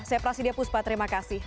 saya prasidya puspa terima kasih